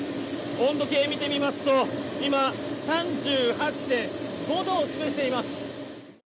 温度計を見てみますと今３８．５度を示しています。